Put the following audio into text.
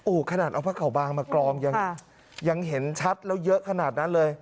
ขนาดเอาผ้าขาวบางมากรองยังเห็นชัดแล้วเยอะขนาดนั้นเลย